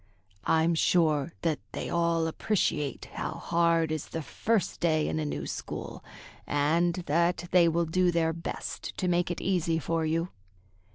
"I'm sure that they all appreciate how hard is the first day in a new school, and that they will do their best to make it easy for you."